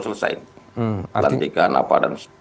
selesai nanti kan apa